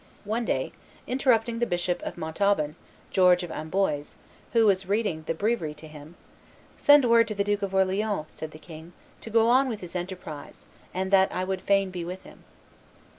One day, interrupting the Bishop of Montauban, George of Amboise, who was reading the breviary to him, "Send word to the Duke of Orleans," said the king, "to go on with his enterprise, and that I would fain be with him."